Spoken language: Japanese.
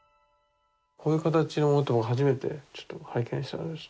こういう形のものって初めてちょっと拝見したんです。